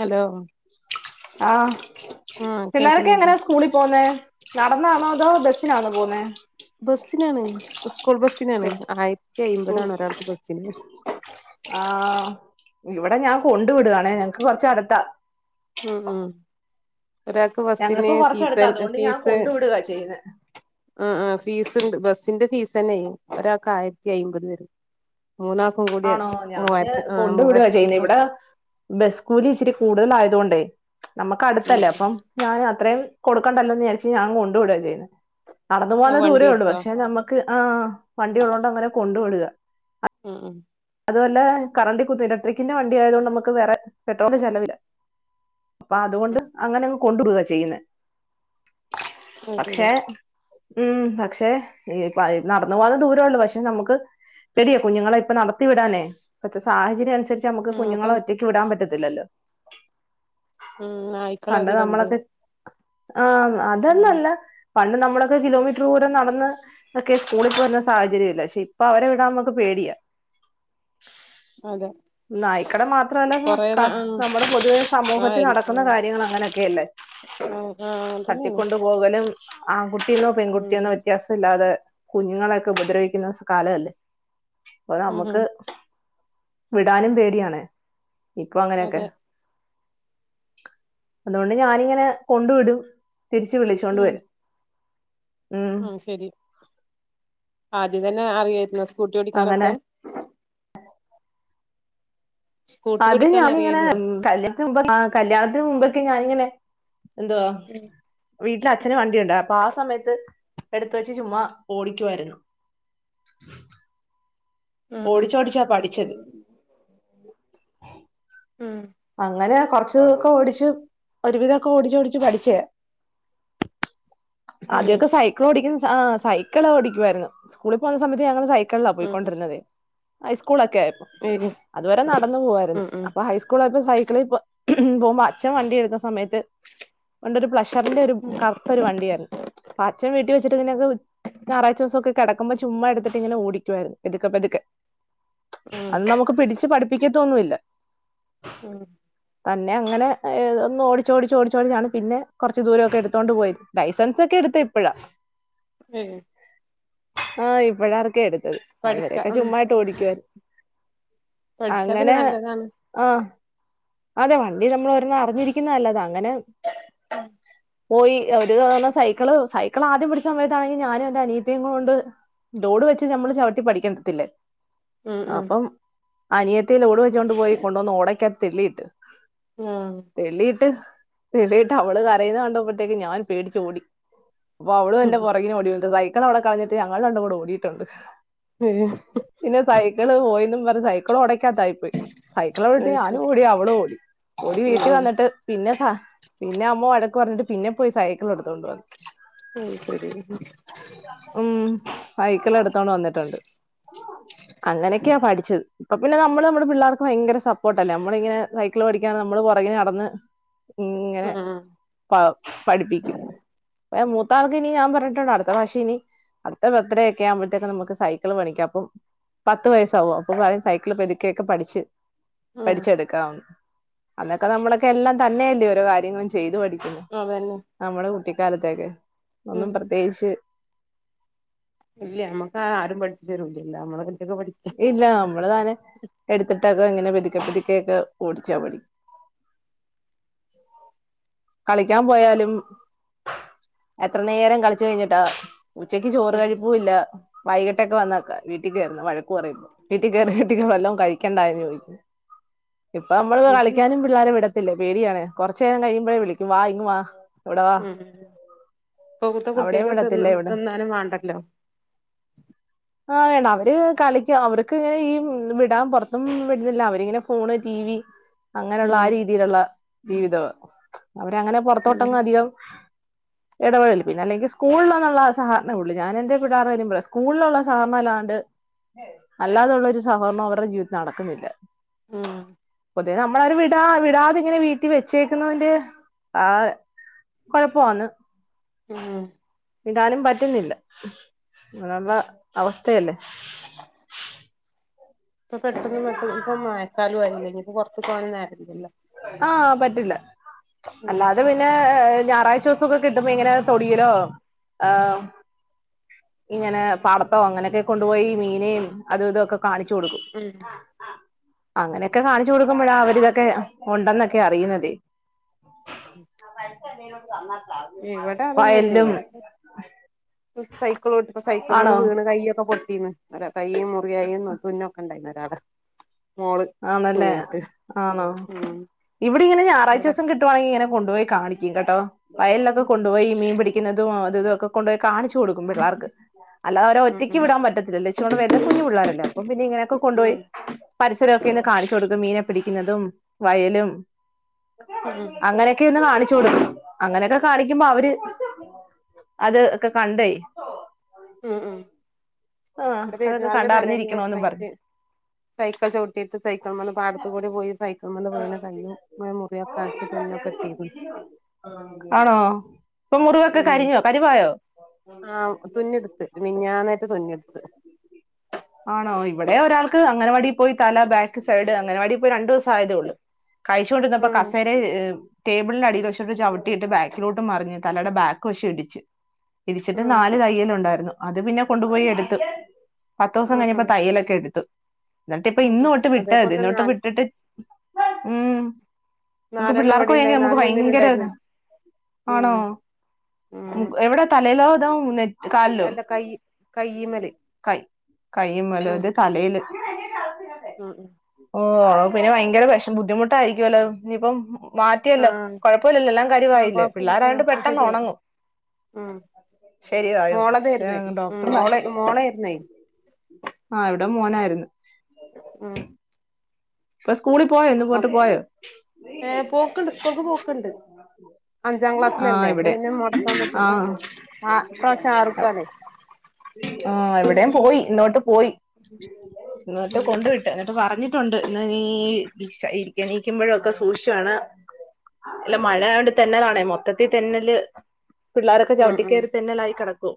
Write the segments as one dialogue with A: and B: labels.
A: Hello
B: ആഹ്
A: ആഹ്
B: പിള്ളെരൊക്കെ
A: കേൾക്കുന്നില്ലേ
B: എങ്ങനാ സ്കൂളിൽ പോന്നേ നടന്നാണോ അതോ ബെസ്സിനാന്നേ പോന്നേ
A: ബെസ്സിനാണ് ഉസ്കൂള് ബെസ്സിനാണ് ആയിരത്തി അയമ്പതാണ് ഒരാക്ക് ബെസ്സിന്
B: ആഹ് ഇവടെ ഞാൻ കൊണ്ട് വിട്ണെ ഞങ്ങക്ക് കൊറച്ച് അട്ത്താ
A: ഉം ഉം ഒരാക്ക് ബെസ്സിന്
B: ഞങ്ങൾക്ക്
A: ഫീസ്
B: കൊറച്ചടുത്താ
A: എ
B: അതുകൊണ്ട് ഞാൻ
A: ഫീസ്
B: കൊണ്ടു വിടുകാ ചെയ്യുന്നേ
A: ആഹ് ആഹ് ഫീസ് ഇണ്ട് ബെസ്സിന്റെ ഫീസ് തന്നെയേ ഒരാക്ക് ആയിരത്തി അയ്മ്പത് വെരും മൂന്നാക്കും കൂടി
B: ആണോ
A: മൂവായിരത്തി ആഹ് മൂവായി ത്തിന് കൊർ
B: ബെസ്കൂലി ഇച്ചിരി കൂടുതല് ആയതൊണ്ടേ നമ്മമക്ക്
A: ഉം
B: അടുത്തല്ലേ അപ്പം ഞാൻ അത്രേയും കൊടുക്കണ്ടല്ലോന്ന് വിചാരിച്ച് ഞാൻ കൊണ്ടു വിടല്. നടന്ന്
A: ഉം
B: പോകാനുള്ള ദൂരേ
A: വണ്ടി
B: ഒള്ളൂ.
A: ഓട്ടോ
B: പക്ഷേ ഞമ്മ ക്ക് ആഹ്, വണ്ടി ഒള്ളോണ്ട് അങ്ങനെ കൊണ്ട് വിട്കാ.
A: ഉം ഉം
B: അതും അല്ലാ കറണ്ടി കുത്തി ഇലക്ട്രിക്കിന്റെ വണ്ടി ആയതോണ്ട് നമുക്ക് വേറെ പെട്രോള് ചെലവില്ലാ. അപ്പാ അത്
A: ഉം
B: കൊണ്ട്
A: ഉം
B: അങ്ങനെ അങ്ങ് കൊണ്ട് വിടുവാ ചെയ്യുന്നേ.
A: അത് ശരി
B: പക്ഷേ ഉം പക്ഷേ യ് നടന്ന് പോകാനുള്ള ദൂരേ ഒള്ളൂ. പക്ഷെ നമ്മക്ക് പേടിയാ കുഞ്ഞുങ്ങളെ ഇപ്പം നടത്തി വിടാനേ ഇപ്പത്തേ സാഹചര്യം അനുസരിച്ച് നമ്മക്ക്
A: ആഹ്
B: കുഞ്ഞുങ്ങളെ
A: അപ്പം
B: ഒറ്റക്ക് വിടാൻ പറ്റത്തില്ലല്ലോ.
A: ഉം നായ്ക്കള്
B: പണ്ട്
A: അധികണ്ട്
B: നമ്മളാക്കെ ആഹ്
A: ഉം
B: അതൊന്നല്ല. പണ്ട് നമ്മളൊക്കെ കിലോമീറ്ററ് ദൂരം നടന്ന് ഒക്കെ സ്കൂളി പോയിര്ന്ന സാഹചര്യം അല്ലെ. ശെ ഇപ്പൊ അവരെ വിടാൻ നമ്മക്ക് പേടിയാ.
A: അതെ
B: നായിക്കടെ മാത്രല്ല
A: കൊറേ
B: ക
A: ആഹ്
B: നമ്മടെ പൊതുവെ സമൂഹത്തി
A: ആഹ്
B: നടക്കുന്ന കാര്യങ്ങള് അങ്ങനെക്കയല്ലേ?
A: ആഹ് ആഹ് അങ്ങൻ തന്നേണ്
B: തട്ടിക്കൊണ്ട് പോവലും ആൺകുട്ടിന്നോ
A: ഉം
B: പെൺകുട്ടിയന്നോ വ്യത്യാസം ഇല്ലാതെ കുഞ്ഞുങ്ങളൊക്കെ ഉപദ്രവിക്ക്ന്ന കാലമല്ലേ? അപ്പാ
A: ഉം
B: നമ്മക്ക്
A: ഉം
B: വിടാനും പേടിയാണെ. ഇപ്പൊ അങ്ങനെക്കെ
A: അതെ
B: അതോണ്ട് ഞാന്ങ്ങനെ കൊണ്ട് വിടും. തിരിച്ച് വിളിച്ചോണ്ട് വരും. ഉം
A: ആഹ് ശെരി. ആദ്യം തന്നെ അറിയാര്ന്നോ സ്കൂട്ടി
B: അങ്ങനെ
A: ഓടിക്കാനൊക്കെ? സ്കൂട്ടി
B: അത്
A: ഓടിക്കാൻ
B: ഞാനിങ്ങനെ
A: അറിയായിരുന്നോ
B: ഉം കല്ല്യാ ആഹ് കല്യാണത്തിന് മുമ്പൊക്കെ ഞാനിങ്ങനെ, എന്തുവാ? വീട്ടില് അച്ഛന് വണ്ടിയൊണ്ട്. അപ്പാ ആ സമയത്ത് എടുത്ത് വെച്ച് ചുമ്മാ ഓടിക്കായിര്ന്നു.
A: ഉം ഉം
B: ഓടിച്ചോടിച്ചാ പഠിച്ചത്.
A: ഉം
B: അങ്ങനെ കൊറച്ച് ഇതോക്കെ ഓടിച്ച് ഒര് വിധൊക്കെ ഓടിച്ച് ഓടിച്ച് പഠിച്ചേ.
A: ഉം
B: ആദ്യൊക്കെ സൈ ക്കിള് ഓടിക്കുന്ന ആഹ് സൈക്കിള് ഓടിക്കോയിര്ന്ന്. സ്കൂളി പോണ സമയത്ത് ഞങ്ങള് സൈക്കിളിലാ
A: ഉം ഉം
B: പോയിക്കൊണ്ടിര്ന്നതേ. ഹൈസ്കൂളൊക്കെ ആയപ്പോ.
A: ഉം
B: അത് വെരെ നടന്ന് പോവാര്ന്നാ.
A: ഉം ഉം
B: അപ്പ ഹൈസ്‌ ക്കൂളായപ്പോ സൈക്കിളി പോ പോമ്പോ അച്ഛൻ വണ്ടി എട്ത്ത സമയത്ത് പണ്ടോര് പ്ലഷ ഷറിന്റെ ഒര് കറുത്ത ഒര് വണ്ടിയാര്ന്ന്. അപ്പാ അഛൻ വീട്ടി വെച്ചിട്ട് പിന്നെ അത് വി ഞായറാഴ്ച്ചോസൊക്കെ കെടക്ക്മ്പൊ ചുമ്മാ എട്ത്ത് ഇട്ട് ഇങ്ങനെ ഓടിക്കാര്ന്ന് പെത്ക്കേ പെത്ക്കേ.
A: ഉം
B: അന്ന് നമ്മക്ക് പിടിച്ച് പഠിപ്പിക്കത്തൊന്നും ഇല്ല.
A: ഉം
B: തന്നെ അങ്ങനെ ഒന്ന് ഓടിച്ച് ഓടിച്ച് ഓടിച്ച് ഒടിച്ചാണ് പിന്നെ കൊറച്ച് ദൂരമൊക്കെ എടുത്തോണ്ട് പോയത്. ലൈസൻസെക്കെ എട്ത്തേ ഇപ്പഴാ.
A: ഉം
B: ആഹ് ഇപ്പഴാതക്കെ എട്ത്തത്. അത്
A: പഠിക്ക
B: വരെക്കെ
A: ഉം
B: ചുമ്മായിട്ട് ഓടിക്കോയിര്ന്ന്.
A: പഠിച്ചാ പിന്നെ
B: അങ്ങനെ
A: നല്ലതാണ്
B: ആഹ്, അതെ വണ്ടി നമ്മള് ഒരെണ്ണം അറിഞ്ഞിരിക്ക്ന്നേ നല്ലതാ അങ്ങനെ പോയി ഒര് തവണ സൈക്കിള് സൈക്കിളാദ്യം പഠിച്ച സമയത്താണെങ്കി ഞാനും എന്റെ അനിയത്തിയേം കൊണ്ട് ലോഡ് വെച്ച് ഞമ്മള് ചവിട്ടി പഠിക്കത്തില്ലേ?
A: ഉം ഉം
B: അപ്പം അനിയത്തി ലോഡ് വെച്ചോണ്ട് കൊണ്ട് വന്ന് ഓടക്ക്യാത്ത് തെള്ളി ഇട്ട്.
A: ആഹ്
B: തെള്ളി ഇ ട്ട് തെളിയിട്ട് അവള് കരയന്ന കണ്ടപ്പോഴത്തേക്ക് ഞാൻ പേടിച്ച് ഓടി. അപ്പൊ അവളും
A: ഉം
B: എൻ്റെ പൊറാകെ ഓടിവന്ന്. സൈക്കിളവിടെ കളഞ്ഞിട്ട് ഞങ്ങള് രണ്ടും കൂടെ ഓടിട്ടൊണ്ട്.
A: [unintelligible]
B: സൈക്കിള് പോയിന്നും പറഞ്ഞ് സൈക്കിൾ ഓടയ്ക്കാത്തായി പോയി. സൈക്കിളോവിട്ടി
A: അത്
B: ഞാനും
A: ശരി
B: ഓടി അവളും ഓടി ഓടി
A: ഉം
B: വീട്ടിൽ
A: ഉം
B: വന്നിട്ട് പിന്നെ സ പിന്നെ അമ്മ വഴക്ക് പറഞ്ഞിട്ട് പിന്നെ പോയി സൈക്കിൾ എടുത്തോണ്ട് വന്നു.
A: അത് ശരി.
B: ഉം സൈക്കിള് എടുത്തോണ്ട് വന്നിട്ടുണ്ട്. അങ്ങനെയൊക്കെയാ പഠിച്ചത് ഇപ്പ പിന്നെ നമ്മള് നമ്മുടെ പിള്ളേർ ക്കു ഭയങ്കര സപ്പോർട്ട് അല്ലേ നമ്മളിങ്ങനെ സൈക്കിള് പഠിക്കാ നമ്മള് പുറകിനെ നടന്ന് ഇങ്ങനെ പ പഠിപ്പിക്കും മൂത്താൾക്ക് ഇനി ഞാൻ പറഞ്ഞിട്ടുണ്ട് അടുത്ത പ്രാവശ്യം ഇനി അടുത്ത ബർത്തഡേ ഒക്കെ ആവുമ്പോഴത്തേക്കും നമുക്ക് സൈക്കിൾ മേടിക്കാം അപ്പം പത്ത് വയ സ്സാവും അപ്പോ പറയും സൈക്കിൾ പെതുക്കെ ഒക്കെ പഠിച്ച്
A: ഉം
B: പഠിച്ചെടുക്കാം അന്നൊക്കെ നമ്മളൊക്കെ എല്ലാം തന്നെയല്ലേ ഓരോ കാര്യങ്ങളും ചെയ്തു പഠി
A: അതന്നെ.
B: നമ്മുടെ കുട്ടിക്കാലത്തെയൊക്കെ ഒന്നും
A: ഉം
B: പ്രത്യേകിച്ച്
A: ഇല്ല ഞമ്മക്ക് ആരും പഠിച്ചു തരൂല്ലല്ലോ നമ്മളൊറ്റക്ക് പഠി
B: ഇല്ല നമ്മള് താനെ എടുത്തിട്ടൊക്കെ ഇങ്ങനെ പിതുക്കെ പിതുക്കെ ഒക്കെ ഓടിച്ചാ പഠി
A: [inaudible]
B: കളിക്കാൻ പോയാലും എത്ര നേരം കളിച്ചു കഴിഞ്ഞിട്ടാ ഉച്ചയ്ക്ക് ചോറ് കഴിപ്പും ഇല്ല വൈകിട്ടൊക്കെ വന്നേക്കാ വീട്ടിൽ കേറുന്നെ വഴ ക്കു പറയും ഇപ്പോ വീട്ടി കേറി വീട്ടീന്ന് വല്ലോം കഴിക്കണ്ടായോന്ന് ചോദിക്കും ഇപ്പ നമ്മള്
A: ഇത്
B: കളിക്കാനും വി [unintelligible] വിടത്തില്ല പേടിയാണ് കുറച്ച നേരം കഴിയുമ്പോഴേ വിളിക്കും വാ ഇങ്ങ് വാ ഇവിടെ വാ
A: ഉ ഇപ്പത്തെ
B: അവിടെയും
A: കുട്ടിയക്ക് തിന്ന
B: വിടത്തില്ല ഇവിടെ
A: തിന്നാനും വേണ്ടല്ലോ?
B: ആഹ് വേണ്ട അവര് കളി ക്കാ അവർക്ക് ഇങ്ങനെ ഈ വിടാൻ പൊറത്തും വിടുന്നില്ല അവരിങ്ങനെ ഫോണ്, ടി വി അങ്ങനെയുള്ള
A: ഉം
B: ആ രീതിയിലുള്ള ജീവിതവാ അവര് അങ്ങനെ
A: അതെ
B: പൊറത്തോട്ടൊന്നും അധികം ഇടപെഴല് പിന്നെ അല്ലെങ്കിൽ സ്കൂളിൽ നിന്നുള്ള സഹകരണേ ഉള്ളൂ ഞാ എന്റെ പിള്ളാർ വരുമ്പോഴേ സ്കൂളിലുള്ള സഹകരണല്ലാണ്ട് അല്ലാതുള്ള ഒരു സഹകരണം അവരുടെ ജീവിതത്തിൽ നടക്കുന്നില്ല.
A: ഉം
B: അതെ നമ്മളവരെ വിടാ വിടാതെ ഇങ്ങനെ വീട്ടിൽ വെച്ചേക്കുന്നതിന്റെ ആഹ് കൊഴപ്പവാന്ന്.
A: ഉം
B: വിടാനും പറ്റുന്നില്ല അങ്ങനെയുള്ള അവസ്ഥയല്ലേ
A: ഇപ്പോ പെട്ടെന്ന് പെട്ടെന്ന് ഇപ്പ മയക്കാലും ആയില്ലെ ഇനിയിപ്പം പുറത്തക്കു പോകാനൊന്നും നേരില്ലല്ലോ?
B: ആഹ് പറ്റില്ല
A: ഉം
B: അല്ലാതെ പി ന്നെ ഞായറാഴ്ച ദിവസൊക്കെ കിട്ടുമ്പോ ഇങ്ങനെ തൊടിയിലോ ഏഹ് ഇങ്ങനെ പാടത്തോ അങ്ങനെയൊക്കെ കൊണ്ടുപോയി മീനേയും അത് ഇതൊക്കെ കാണിച്ചു കൊടുക്കും.
A: ഉം
B: അങ്ങനെയൊക്കെ കാണിച്ചു കൊടുക്കുമ്പോഴാ അവരിതൊക്കെ ഒണ്ടെന്നൊക്കെ അറിയുന്നതേ.
A: ഉം
B: പസ
A: ഇവിടെ അതൊന്നുമില്ല ഇവിടെക്കെ സൈക്കിളോട്ടിപ്പോ സൈക്കിൾമന്ന്
B: ആണോ
A: വീണ് കയ്യൊക്കെ പൊട്ടി ന്ന് കയ്യും മുറിയായിന്ന് തുന്നൊക്കെ ഇണ്ടായിന്ന് ഒരാളെ മോള്
B: ആണല്ലേ
A: വീണിട്ട്
B: ആണോ
A: ഉം
B: ഇവിടെ ഇങ്ങനെ ഞായറാഴ്ച
A: ഇവിടെ
B: ദിവസം കി ട്ടുവാണെങ്കിൽ ഇങ്ങനെ കൊണ്ടുപോയി കാണിക്കും കേട്ടോ വയലിലൊക്കെ കൊണ്ടുപോയി മീൻ പിടി പിക്കുന്നതും അതുംഇതൊക്കെ കൊണ്ട് പോയി കാണിച്ചു കൊടുക്കും പിള്ളേർക്ക് അല്ല അവ
A: ഉം
B: ഒറ്റക്ക്
A: ഉം
B: വിടാൻ പറ്റത്തില്ല ലക്ഷ കൊടെ വേത കുഞ്ഞു പിള്ളോരല്ല അപ്പ പിന്നെ ഇങ്ങനൊക്കെ കൊണ്ടുപോയി
A: ഉം
B: ഇരൊക്കെ ഒന്ന് കാണിച്ചു കൊടുക്കും മീനെ പിടിക്കുന്നതും വയലും
A: ഉം ഉം
B: അങ്ങനെയൊക്കെ ഒന്ന് കാണിച്ചോട് അങ്ങനെയൊക്കെ കാണിക്കുമ്പോ അവര് അത് ഒക്കെ കണ്ടയ്
A: ഉം ഉം
B: ആ
A: ഇവിടെ
B: അതൊക്കെ
A: പെരുന്നാളിടെ തലേ
B: കണ്ടറിഞ്ഞിരിക്കണോന്നും പറഞ്ഞു
A: ദിവസമായിട്ട് സൈക്കിൾ ചവിട്ടിട്ട് സൈക്കൾ വന്ന് പാടത്തത്ത് കൂടി പോയി സൈകൾ വീണ് കയ്യും മുറിയൊക്കെ ആക്കി തുന്നൊക്കെട്ടീന്ന്
B: ആണോ ഇപ്പൊ മുറിവൊക്കെ
A: ഉം
B: കരിഞ്ഞോ കരിവായോ
A: ആഹ് തുന്ന്ട്ട് എടുത്ത് മിഞ്ഞാനേറ്റ തുന്നെടുത്ത്
B: ആണോ ഇവിടെ ഒരാൾക്ക് അങ്ങനവാടി പോയി തല ബാക്ക് സൈഡ് അങ്ങനവാടി പോയി രണ്ടു ദിവസം സധതള്ളൂ കഴിച്ചൊണ്ടിന്നപ്പോ
A: ഉം
B: കസേര ടേബിളിന്റെ അടീൽ ചവിട്ടിയിട്ട് ബാക്കിലോട്ട് മറിഞ്ഞു തലയുടെ ബാക്ക് വശി ഇടിിച്ചച്ച് ഇടച്ചിട്ട്
A: ഉം
B: നാല് തയ്യൽ ഉണ്ടായിരുന്നു അത് പിന്നെ കൊണ്ടുപോയി എടുത്ത് പത്ത് ദിവസം
A: ഉം
B: കഴിഞ്ഞപ്പോ
A: ഉം
B: തയ്യലൊക്കെ എടുത്തു എന്നിട്ട് ഇപ്പ
A: ഉം
B: ഇന്നോട്ട് വിട്ടത്
A: അതേപോലെ തന്നെ
B: ഇന്നോട്ട്
A: നാല്
B: വിട്ടിട്ട് ഉം നമക്ക്
A: നാലെണ്ണം
B: പിള്ളേർക്ക് പോയങ്ക
A: ഇവിടെണ്ടായി
B: നമുക്ക്
A: നാല്
B: ഭയങ്കര
A: തുന്നലുണ്ടായിരുന്നു
B: ആണോ
A: ഉം ഉം
B: എവിടെ തലലോതാ നെറ്റി
A: അല്ല കൈ കയ്യിമ്മല്
B: കയ്യുമ്മൽ അത് തലയില്
A: ഉം ഉം
B: ഓ ആണോ പിന്നെ ഭയങ്കര വിഷം ബുദ്ധിമുട്ടായിരിക്കുവല്ലോ ഇനിയിപ്പം മാറ്റിയല്ലോ
A: ആഹ്
B: കുഴപ്പമില്ലല്ലോ എല്ലാം
A: ആഹ്
B: കരുവായില്ലേ
A: കൊഴപ്പല്ല ആഹ്
B: പിള്ളേർായണ്ട്
A: ഇപ്പൊ
B: പെട്ടെന്ന്
A: ശരിയായി
B: ഉണങ്ങും
A: ഉം
B: ശരിയായും
A: മോളതായിരുന്നേ ഉം
B: ഡോക്ടറും പറ
A: മോളെ മോളായിരുന്നേ
B: ആഹ് ഇവിടെ മോനായിരുന്നു
A: ഉം
B: ഇപ്പൊ സ്കൂളിൽ പോയോ ഇന്ന്
A: അ
B: പോയിട്ട് പോയോ
A: ഏർ പോക്കണ്ട് സ്കൂൾക്ക് പോക്ക്‌ണ്ട് അഞ്ചാം
B: ആ
A: ക്ലാസ്സിലല്ലേ അപ്പൊ
B: ഇവിടെ
A: പിന്നെ മുടക്കാൻ
B: ആ
A: ഇപ്രാവശ്യ ആർക്കണ്
B: ആഹ് എവിടെയും പോയി ഇന്നോട്ട് പോയി ങ്ങട്ട് കൊണ്ട് വിട്ട് എന്നിട്ട് പറഞ്ഞ് ണ്ട് നീ ഇരിക്കണീക്കുമ്പോഴ ഒക്കെ സൂക്ഷച്ചാണ് അല്ല
A: ഉം
B: മഴയോണ്ട് തെന്നലാണേ മൊത്തത്തി തെന്നല് പിള്ളോരൊക്കെ
A: ഉം ഉം
B: ചവിട്ടിക്കയറി തന്നെല്ലായി കിടക്കും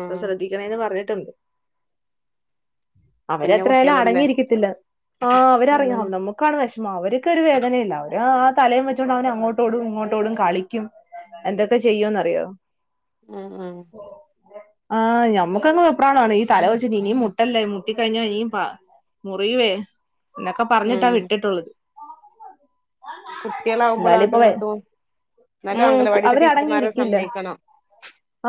B: അപ്പൊ ശ്രദ്ധ ന്ന് പറഞ്ഞിട്ടുണ്ട്
A: കുഞ്ഞു
B: അവര്ത്രയാലും
A: കുട്ടികളല്ലേ
B: അടങ്ങിയിരിക്കത്തില്ല ആഹ് അവര്അറിയാം
A: അതന്നെ
B: വോ നമ്മുക്ക് കാണ വിഷമോ അവർക്കൊ വേദനയില്ല അവര് ആ തലയും വെച്ചുകോണ്ട് അവന് അങ്ങോട്ടോടും ഇങ്ങോട്ടോടും കളിക്കും എന്തൊക്കെ ചെയ്യോന്ന്റിയോ
A: ആഹ് ആഹ്
B: ആഹ്ഞമുക്കങ്ങ വെപ്രാളം ആണ് ഈല വെച്ചിട്ട് ഇനും മുട്ടല്ലേ മുട്ടിക്കഴിഞ്ഞ ഇനിയും മുറിയുവേ എന്നൊക്കെ പറഞ്ഞിട്ടാ
A: ഉം
B: വിട്ടിട്ടുള്ളത്
A: കുട്ടികളാവുമ്പോൾ
B: എന്താലും
A: ആണ്ടും
B: ഇപ്പൊ
A: ഇങ്ങട്ടും എന്നാലും
B: ഉം
A: അംഗലവാടിത്തെ
B: അവര്
A: ടീച്ചർമാരെ
B: അടങ്ങിയിരിക്കില്ല
A: സമ്മയിക്കണം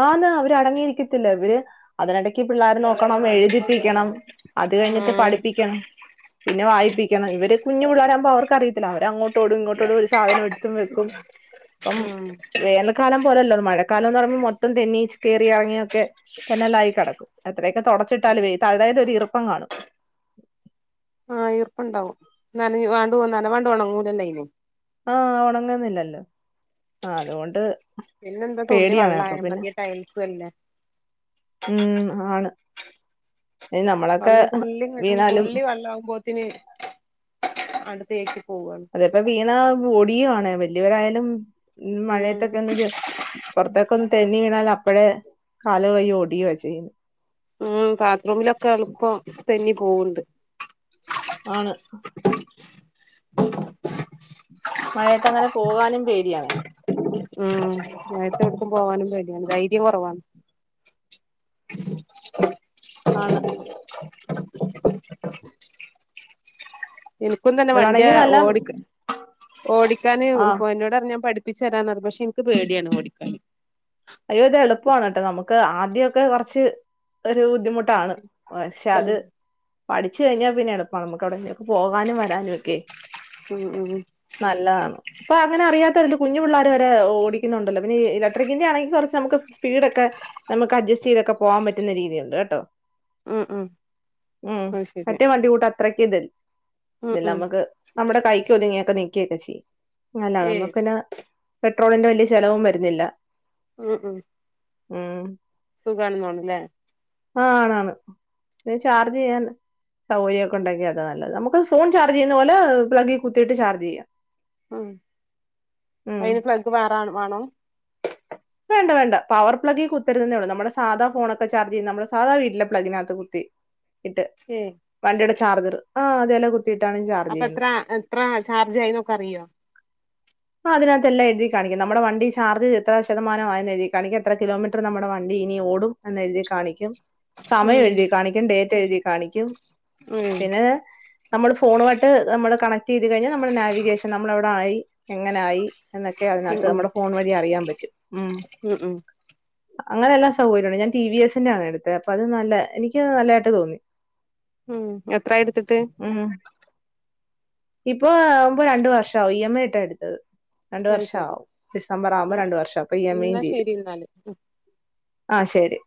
B: ആഹ്ന്ന അവര് അടങ്ങിയിരിക്കത്തില്ല ഇവര് അതിനിടയ്ക്ക് പിള്ളേർ നോക്കണം എഴുതി പഠപ്പിക്കണം അത് കഴിഞ്ഞിട്ട്
A: ഉം
B: പഠിപ്പിക്കണം പിന്നെ വായിപ്പിക്കണം ഇവ കുഞ്ഞു പിള്ളരാാവുമ്പോ അവർക്ക് അറയില്ല അവ അങ്ങോട്ട് ടും ഇങ്ങോട്ടോടും സാധനം എടുത്തും വെക്കും അപ്പം
A: ഉം
B: വേന നൽക്കാലം മഴക്കാലം പോലെയല്ലോ പറുമ്പോ മൊത്തം തെന്നീ കയറി ഇറങ്ങിയൊക്കെ തെന്നല്ലായി കിടക്കും എത്രയൊക്കെ തുടച്ചിട്ടാലും
A: അതെ
B: വേയി തഴയത് ഒരുരുപ്പം കാണും
A: ആഹ് ഈർപ്പണ്ടാവും. നൻഞ്ഞിങ്ങാണ്ട് നനവാണ്ട് ഒണങ്ങൂലല്ലെയ്ന്.
B: ആഹ്. ഒണങ്ങുന്നില്ലല്ലൊ. ആഹ് അതുകൊണ്ട്
A: പിന്നെന്താ തുള്ളി
B: പേടിയാണ്.
A: വെള്ളായ
B: അപ്പൊ പിന്നെ
A: മതി ടൈൽസും അല്ലേ
B: ഉം ആണ്. നമ്മളൊക്കെ
A: വെള്ളം തുള്ളി
B: വീണാലും
A: തുള്ളി വള്ളാവുമ്പോത്തിന് അടുത്തേക്ക് പോവാണ്.
B: അതൊക്കെ വീണാ ഒടിയുവാണ്. വല്യവരായാലും
A: ഉം
B: മഴയത്തൊക്കൊ ന്ന് ചെ.... പൊർത്തേക്കൊന്ന് തെന്നി വീണാല് അപ്പഴേ കാലൊ, കൈയ്യൊ ഒടിയാ ചെയ്യുന്നെ.
A: ഉം. ബാത്റൂമിലൊക്കെ എളുപ്പം തെന്നി പോവ്ണ്ട്.
B: ആണ് മഴയത്തങ്ങനെ പോവാനും പേടിയാണ്.
A: ഉം മാഴത്തൊട്ക്കും പോവാനും പേടിയാണ്. ധൈര്യം കൊറവാണ്.
B: ആണ്
A: ഇൻക്കും തന്നെ
B: ഇവിടാണെങ്കി
A: വണ്ടിയാ
B: നല്ല
A: ഓടിക്ക് ഓടിക്കാന്
B: ആ
A: പ്പൊ എന്നോടർഞ്ഞ് ഞാ പഠിപ്പിച്ചരാന്നർഞ്ഞ്. പേക്ഷെ ഇൻക്ക് പേടിയാണ് ഓടിക്കാന്.
B: അയ്യോ ഇത് എളുപ്പാണ് ട്ടൊ. നമുക്ക് ആദ്യൊക്കെ കൊറച്ച് ഒരു ബുദ്ധിമു.... ട്ടാണ്. പക്ഷെ അത് പഠിച്ചഴിഞ്ഞാ പിന്നെ എ.... [unintelligible] പോകാനും വരാനൊക്കെ.
A: ഉം ഉം ഉം
B: നല്ലാന്ന്. പ്പ അങ്ങനെ അറിയാത്തോരില്ല. കുഞ്ഞു പുള്ളേര് വരെ ഒ ഓടിക്കുന്നൊണ്ടല്ലൊ. പിന്നെ ഈ ഇലട്രിക്കിന്റെ ആണെ.... കൊർച്ചമ്മക്ക് സ്പീഡൊക്കെ നമുക്ക് അഡ്ജെസ്റ്റ്യ്തൊക്ക പോവാം പറ്റുന്ന രീതിയുണ്ട് കെട്ടൊ.
A: ഉം ഉം
B: ഉം.
A: അത് ശരിയാ
B: മറ്റെ വണ്ടികൂട്ട് അത്രയ്ക്ക് ഇത്
A: ഉം ഉം
B: ഇതെല്ലാമ്മക്ക് നമ്മടെ കൈക്കൊതുങ്ങിയൊക്ക നിക്കെയൊക്കചെയ്യും. നല്ലാ
A: ഏയ്
B: നമ്മുക്ക്ന്നാ പെട്രോൾന്റെ വല്യ ചെലവും വരുന്നില്ല.
A: ഉം ഉം
B: ഉം
A: സുഖാണ്ന്ന് തോന്ന്ന്നുല്ലെ.
B: ആഹ് ആണ് ആന്ന്. ഈ ചാർജ് ചെയ്യാൻ സൗകര്യക്കൊണ്ടങ്കി അതാ നല്ലത്. നമുക്ക് ഫോൺ ചാർജെയ്യുന്ന പോലെ പ്ലെഗി കുത്തിയട്ട് ചാർജെയ്യാം.
A: ഉം.
B: ഉം
A: അതിന് ഫ്ലെഗ് വേറാന്ന് വാണം.
B: വേണ്ട, വേണ്ട. പവർ പ്ലങ്കി കുത്ത ര്തേന്നൊള്ളു. നമ്മടെ സാധ ഫോണൊക്കെ ചാർജെയ്യുന്ന മ്മള് സാധാ വീട്ട്ലെ പ്ലഗിനാത്ത് കുത്തി ഇട്ട്.
A: ഏയ്
B: വണ്ടിടെ ചാർജറ് ആഹ് അതേ ലെ കുത്തിയിട്ടാണ് ചാർജെയ്യുന്ന്.
A: ത്രാ ചാർജായിന്നൊക്കെ അറിയൊ?
B: ആഹ് അതിനാത്തെല്ലാ എഴുതി കാണിക്കും. നമ്മടെ വണ്ടി ചാർജ് എത്ര ശതമാനായെന്ന് എഴുതി കാണിക്കും. എത്ര കിലോമീറ്റർ നമ്മടെ വണ്ടി ഇനി ഓടും എന്ന് എഴ്തി കാണിക്കും. സമയം
A: ഉം
B: എഴുതി കാണിക്കും. ഡേറ്റ് എഴുതി കാണിക്കും.
A: ഉം
B: പിന്നെ നമ്മള് ഫോണുവായിട്ട് നമ്മള് കണക്ടെയ്ത് കഴിഞ്ഞാ നമ്മള് നാവിഗേഷൻ നമ്മളെ വ്ടായി, എങ്ങനായി എന്നൊക്കെ
A: ഉം
B: അതിനാത്ത്
A: ഉം
B: നമ്മടെ ഫോണ് വഴി അറിയാം പറ്റും. ഉം
A: ഉം ഉം
B: അങ്ങനെയെല്ലാ സൗകര്യണ്ട്. ഞാൻ ടി വി എസിന്റെ ആണെട്ത്തെ. അപ്പ അത് നല്ലാ. എനിക്ക് നല്ലായിട്ട് തോന്നി.
A: ഉം. എത്രയി എട്ത്തിട്ട്?
B: ഉം. ഇപ്പൊ ആവ്‌മ്പൊ രണ്ട് വർഷായി. ഇ എം ഐ ഇട്ടാ എട്ത്തത്. രണ്ടു
A: അത് ശരി
B: വർഷാവും. ഡിസംബറാവുമ്പം
A: ഉം ഉം
B: രണ്ടു വർഷാവും. അപ്പൊ ഇ എം ഐ യും
A: എന്നാ
B: തീരും.
A: ശരി എന്നാല്
B: ആഹ് ശെരി.